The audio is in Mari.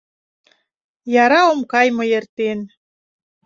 Яра ом кай мый эртен: